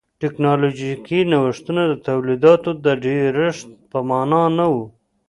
ټکنالوژیکي نوښتونه د تولیداتو د ډېرښت په معنا نه و.